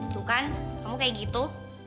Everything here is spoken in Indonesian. tuh kan kamu kayak gitu